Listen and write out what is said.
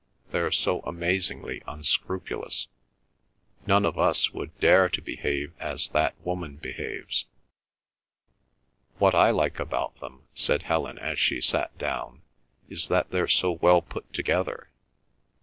"They're so amazingly unscrupulous. None of us would dare to behave as that woman behaves." "What I like about them," said Helen as she sat down, "is that they're so well put together.